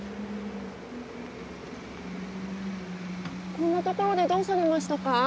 ・こんな所でどうされましたか？